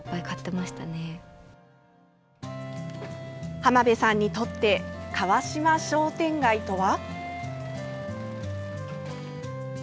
浜辺さんにとって川島商店街とは？